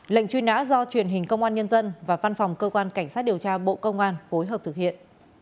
lệnh truy nã do truyền hình công an nhân dân và văn phòng cơ quan cảnh sát điều tra bộ công an phối hợp thực hiện